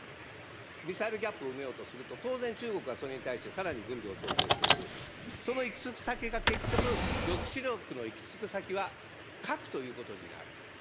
ミサイルギャップを埋めようとすると、当然それに対して中国がさらに軍備を増強していく、その行き着く先が結局、抑止力の行きつく先は、核ということになる。